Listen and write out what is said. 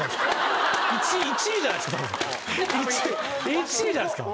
１位じゃないっすか？